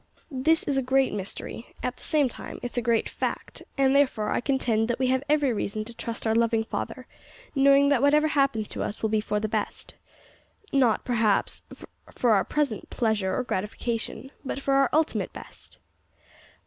This is a great mystery; at the same time it is a great fact, and therefore I contend that we have every reason to trust our loving Father, knowing that whatever happens to us will be for the best not, perhaps, for our present pleasure or gratification, but for our ultimate best."